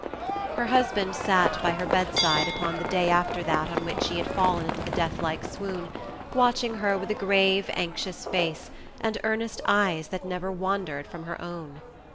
Her husband sat by her bedside upon the day after that on which she had fallen into the death like swoon, watching her with a grave, anxious face, and earnest eyes that never wandered from her own.